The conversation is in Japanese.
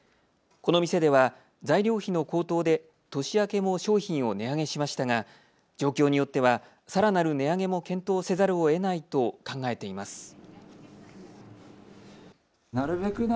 この店では材料費の高騰で年明けも商品を値上げしましたが状況によってはさらなる値上げも検討せざるをえないと考えています。